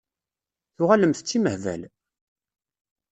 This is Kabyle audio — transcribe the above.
Tuɣalemt d timehbal?